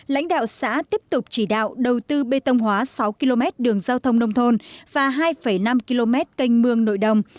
lãnh đạo xã tiếp tục chỉ đạo đầu tư bê tông hóa sáu km đường giao thông nông thôn và hai năm km canh mương nội đồng